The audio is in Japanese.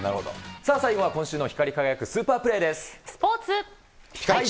さあ最後は今週の光輝くスーパープレーです。